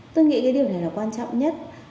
tôi nghĩ cái điều này là quan trọng nhất